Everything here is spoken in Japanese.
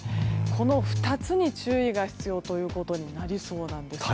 この２つに注意が必要ということになりそうです。